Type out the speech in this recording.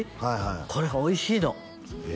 これがおいしいのえ？